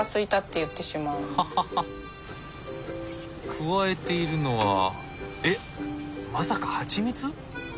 加えているのはえっまさかハチミツ？